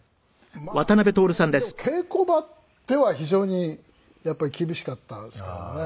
まあでも稽古場では非常にやっぱり厳しかったですけどもね。